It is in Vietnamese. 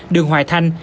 đường hoài thanh